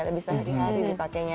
lebih sehari hari dipakainya